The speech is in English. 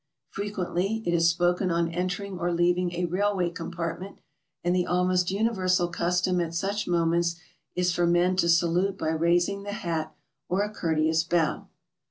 Frequently it is spoken on entering or leaving a railway compartment, and the almost universal custom at such moments is for men to salute by raising the hat or a courteous bow.